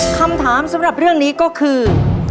คำถามสำหรับเรื่องนี้ก็คือ